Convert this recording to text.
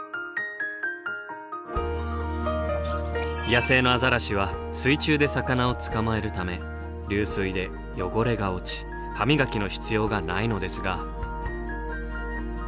野生のアザラシは水中で魚を捕まえるため流水で汚れが落ち歯磨きの必要がないのですが。